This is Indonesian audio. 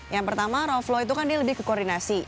yang pertama role flow itu kan dia lebih ke koordinasi